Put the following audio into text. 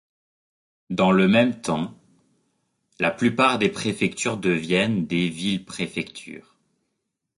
Dans le même temps, la plupart des préfectures deviennent des villes-préfectures.